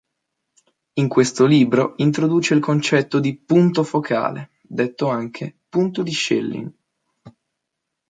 In questo libro introduce il concetto di "punto focale", detto anche "punto di Schelling".